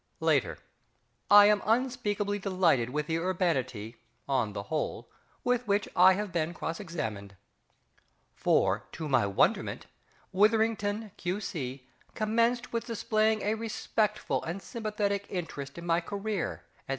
Later. I am unspeakably delighted with the urbanity (on the whole) with which I have been cross examined. For, to my wonderment, WITHERINGTON, Q.C., commenced with displaying a respectful and sympathetic interest in my career, &c.